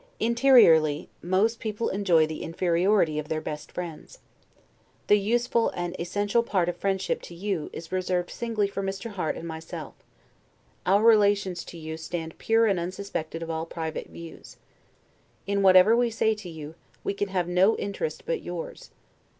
Interiorly, most people enjoy the inferiority of their best friends. The useful and essential part of friendship, to you, is reserved singly for Mr. Harte and myself: our relations to you stand pure and unsuspected of all private views. In whatever we say to you, we can have no interest but yours.